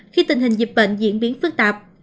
khi tình hình dịp bệnh diễn biến phức tạp